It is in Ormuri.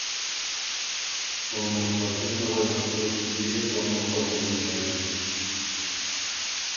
او مُخ په ځېمه وه ده سو بيې په مُخه وُريېن۔